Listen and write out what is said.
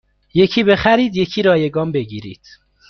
یکی بخرید یکی رایگان بگیرید